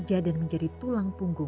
gak bisa berparing bener